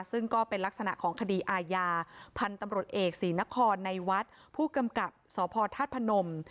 ซึ่งก็เป็นลักษณะของคดีอาญาพันธุ์ตำรวจเอกศรีนครในวัดผู้กำกับสพธาตุพนม